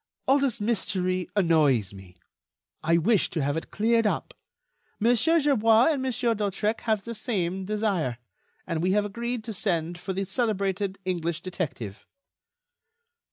All this mystery annoys me. I wish to have it cleared up. Monsieur Gerbois and Monsieur d'Hautrec have the same desire, and we have agreed to send for the celebrated English detective."